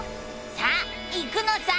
さあ行くのさ！